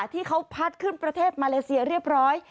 ที่เขาพัดขึ้นประเทศมาเลเซียเรียบร้อย